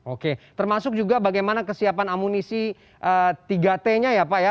oke termasuk juga bagaimana kesiapan amunisi tiga t nya ya pak ya